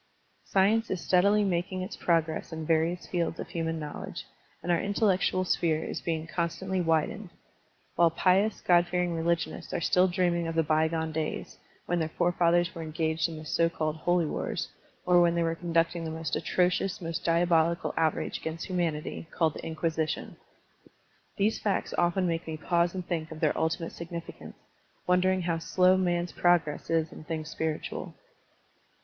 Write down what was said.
Science is steadily making its progress in various fields of hiunan knowledge, and our intel lectual sphere is being constantly widened; while pious. God fearing religionists are still dreaming of the by gone days, when their fore fathers were engaged in the so called holy wars, or when they were conducting the most atrocious, most diabolical outrage against humanity called the Inquisition. These facts often make me pause and think of their ultimate significance, wondering how slow man's progress is in things spiritual.